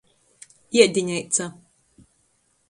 Iedineica.